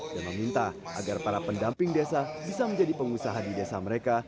dan meminta agar para pendamping desa bisa menjadi pengusaha di desa mereka